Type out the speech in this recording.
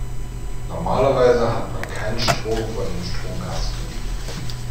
Normalerweise hat man kein Stroh vor dem Stromkasten liegen.